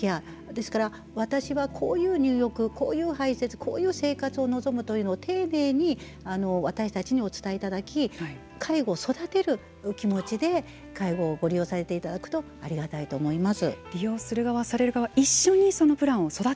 ですから、私はこういう入浴こういう排せつそういう生活を望むというのを丁寧に私たちにお伝えいただき介護を育てる気持ちで介護をご利用されていただくとありがたいと思います。